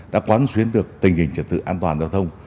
đã quán xuyến được tình hình trật tự an toàn giao thông